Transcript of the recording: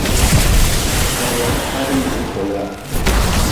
Korga ka kagi nyoli kolea.